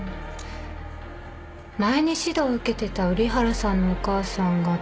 前に指導受けてた瓜原さんのお母さんが確か。